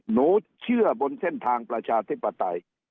หนูเชื่อบนเส้นทางประชาธิปไตย